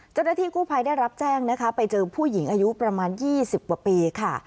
เจ้าหน้าที่กู้ภัยได้รับแจ้งนะคะไปเจอผู้หญิงอายุประมาณ๒๐กว่าปีค่ะ